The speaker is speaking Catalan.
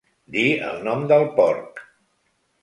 Dir el nom del porc.